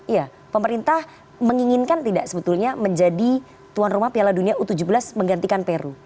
ya pemerintah menginginkan tidak sebetulnya menjadi tuan rumah piala dunia u tujuh belas menggantikan peru